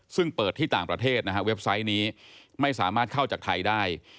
ซึ่งเปิดที่ต่างประเทศนะฮะเว็บไซต์นี้ไม่สามารถเข้าจากไทยได้